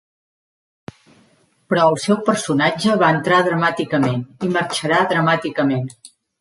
Però el seu personatge va entrar dramàticament, i marxarà dramàticament.